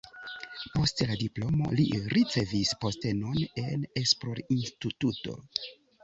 Post la diplomo li ricevis postenon en esplorinstituto.